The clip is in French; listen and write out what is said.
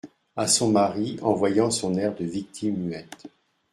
A son mari, en voyant son air de victime muette.